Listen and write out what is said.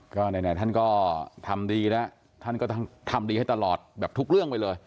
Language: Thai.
ก็ไหนท่านก็ทำดีแล้วท่านก็ต้องทำดีให้ตลอดแบบทุกเรื่องไปเลย